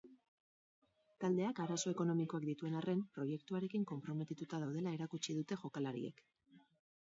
Taldeak arazo ekonomikoak dituen arren, proiektuarekin konprometituta daudela erakutsi dute jokalariek.